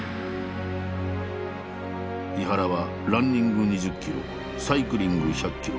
井原はランニング２０キロサイクリング１００キロ